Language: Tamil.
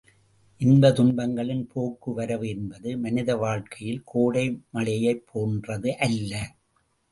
இன்ப துன்பங்களின் போக்குவரவு என்பது, மனித வாழ்க்கையில் கோடை மழையைப் போன்றது அல்ல.